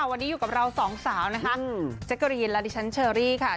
วันนี้อยู่กับเราสองสาวนะคะแจ๊กกะรีนและดิฉันเชอรี่ค่ะ